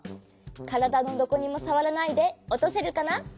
からだのどこにもさわらないでおとせるかな？